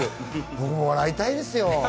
僕も笑いたいですよ。